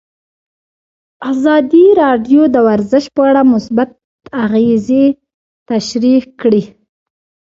ازادي راډیو د ورزش په اړه مثبت اغېزې تشریح کړي.